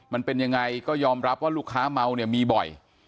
มันเป็นยังไงก็ยอมรับว่าลูกค้าเมาเนี่ยมีบ่อย